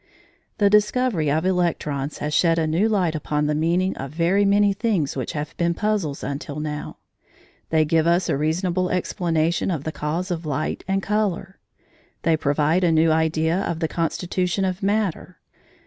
The discovery of electrons has shed a new light upon the meaning of very many things which have been puzzles until now. They give us a reasonable explanation of the cause of light and colour. They provide a new idea of the constitution of matter.